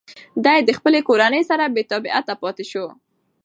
ده د خپلې کورنۍ سره بېتابعیت پاتې شو.